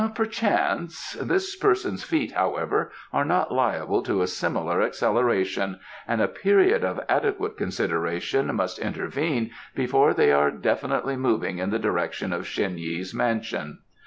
"Perchance. This person's feet, however, are not liable to a similar acceleration, and a period of adequate consideration must intervene before they are definitely moving in the direction of Shen Yi's mansion.